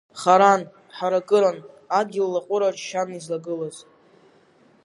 Харан, ҳаракыран, адгьыл лаҟәыраҿ шьан излагылаз.